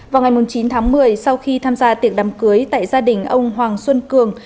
vào ngày chín tháng một mươi sau khi tham gia tiệc đám cưới tại gia đình ông hoàng xuân cường